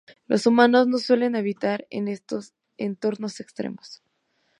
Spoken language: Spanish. Los humanos no suelen habitar en estos entornos extremos.